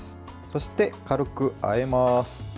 そして、軽くあえます。